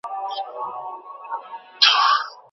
نورو کسانو ته د هغوی تېروتني وبخښئ.